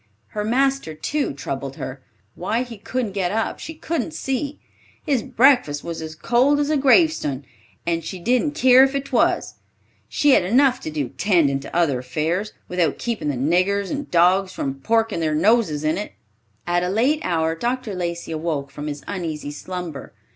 Her master, too, troubled her. Why he couldn't get up she couldn't see. "His breakfast was as cold as a grave stun, and she didn't keer if 'twas. She had enough to do 'tendin' to other affairs, without keepin' the niggers and dogs from porkin' thar noses in it." At a late hour Dr. Lacey awoke from his uneasy slumber.